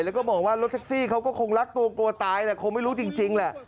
แล้วก็บอกว่ารถแท็กซี่เขาก็คงรักตัวกลัวตายแหละคงไม่รู้จริงแหละ